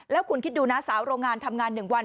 แล้วคุณคิดดูนะสาวโรงงานทำงาน๑วัน